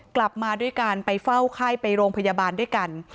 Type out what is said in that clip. กลับมาด้วยการไปเฝ้าไข้ไปโรงพยาบาลด้วยกัน